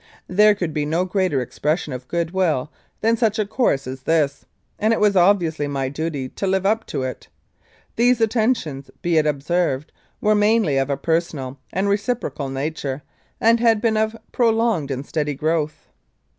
There could be no greater expression of goodwill than such a course as this, and it was obviously my duty to live up to it. These attentions, be it observed, were mainly of a per sonal and reciprocal nature, and had been of prolonged and steady growth.